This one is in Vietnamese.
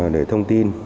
để thông tin